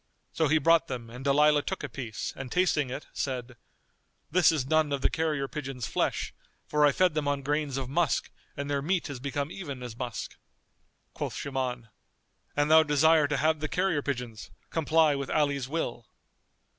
So he brought them and Dalilah took a piece and tasting it, said, "This is none of the carrier pigeons' flesh, for I fed them on grains of musk and their meat is become even as musk." Quoth Shuman, "An thou desire to have the carrier pigeons, comply with Ali's will."